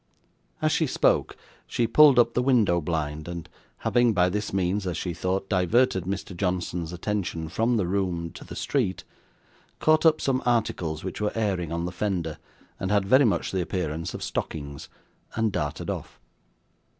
As she spoke, she pulled up the window blind, and having by this means (as she thought) diverted Mr. Johnson's attention from the room to the street, caught up some articles which were airing on the fender, and had very much the appearance of stockings, and darted off.